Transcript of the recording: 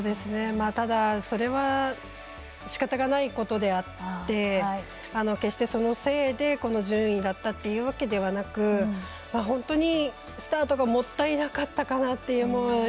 ただ、それはしかたがないことであって決して、そのせいでこの順位だったということでなく本当にスタートがもったいなかったかなという。